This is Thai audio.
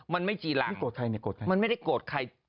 มันไม่จีรังมันไม่ได้โกรธใคร